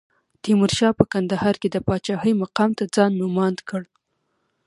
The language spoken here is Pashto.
تیمورشاه په کندهار کې د پاچاهۍ مقام ته ځان نوماند کړ.